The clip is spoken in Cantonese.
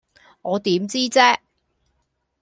我點知啫